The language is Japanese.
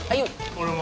俺も。